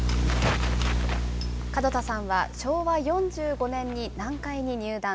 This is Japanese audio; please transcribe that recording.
門田さんは昭和４５年に南海に入団。